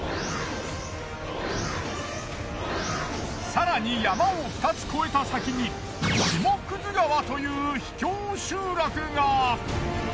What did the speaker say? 更に山を２つ越えた先に下葛川という秘境集落が。